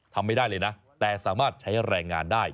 ทำไม่ได้เลยนะแต่สามารถใช้แรงงานได้